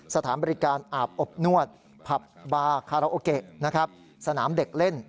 สถานบริการอาบอบนวดผับบาคาราโอเกะนะครับสนามเด็กเล่น